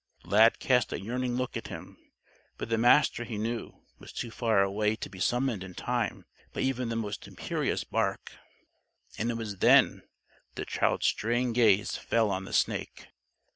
Lad cast a yearning look at him. But the Master, he knew, was too far away to be summoned in time by even the most imperious bark. And it was then that the child's straying gaze fell on the snake.